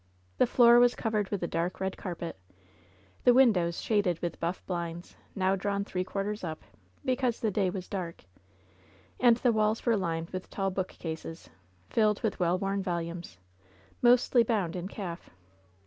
The floor was covered with a dark red carpet, the windows shaded with buff blinds, now drawn three quarters up, because the day was dark, and the walls were lined with tall book cases, filled with well worn volumes, mostly bound in calf.